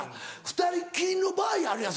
２人っきりの場合あるやん